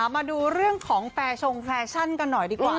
มาดูเรื่องของแฟร์ชงแฟชั่นกันหน่อยดีกว่า